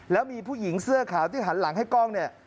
แล้วมีผู้หญิงเสื้อขาวที่หันหลังให้กล้องเนี่ย